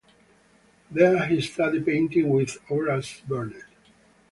There he studied painting with Horace Vernet.